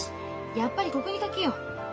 やっぱりここに掛けよう。